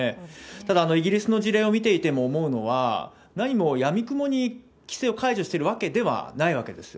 ただイギリスの事例を見ていても思うのは、何もやみくもに規制を解除しているわけではないわけですよ。